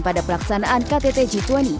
pada pelaksanaan ktt g dua puluh